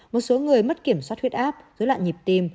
một số người mất kiểm soát huyết áp dối loạn nhịp tim